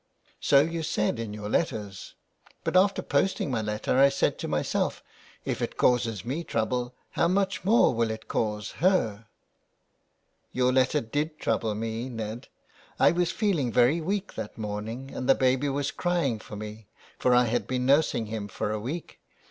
'' So you said in your letters. But after posting my letter I said to myself: if it causes me trouble, how much more will it cause her ?"" Your letter did trouble me, Ned. I was feeling very weak that morning and the baby was crying for me, for I had been nursing him for a week.